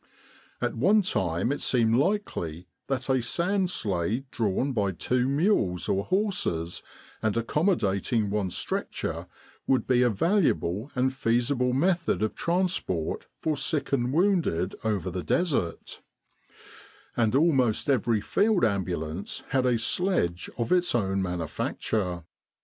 At one time it seemed likely that a sand sleigh drawn by two mules or horses and accommodating one stretcher, would be a valuable and feasible method of transport for sick and wounded over the Desert; and almost every Field Ambulance had a sledge of its own manufacture.